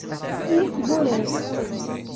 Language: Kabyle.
Ay at wurar.